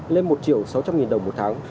lên một sáu trăm linh đồng một tháng